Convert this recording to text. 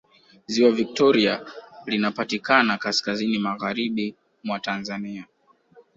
Ziwa Viktoria linapatikanankaskazini Magharibi mwa Tanzania